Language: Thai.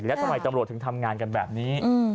แล้วทำไมตำรวจถึงทำงานกันแบบนี้